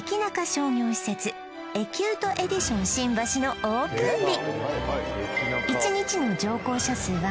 商業施設エキュートエディション新橋のオープン日